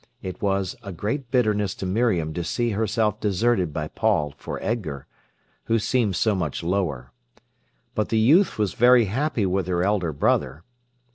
It was a great bitterness to Miriam to see herself deserted by Paul for Edgar, who seemed so much lower. But the youth was very happy with her elder brother.